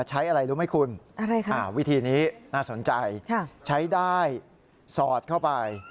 ใช้อะไรรู้ไหมคุณวิธีนี้น่าสนใจใช้ได้สอดเข้าไป